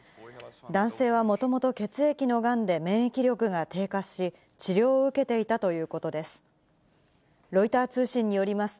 男性はもともと血液のがんで免疫力が低下し、治療を受けていたということです。